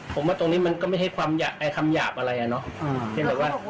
ผมว่าตรงนี้มันก็ไม่ได้ความหยาบอะไรอะเนาะ